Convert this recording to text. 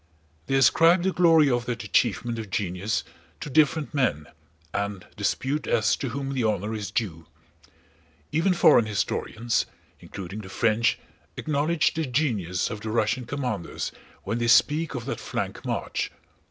They ascribe the glory of that achievement of genius to different men and dispute as to whom the honor is due. Even foreign historians, including the French, acknowledge the genius of the Russian commanders when they speak of that flank march.